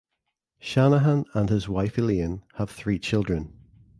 Shanahan and his wife Elaine have three children.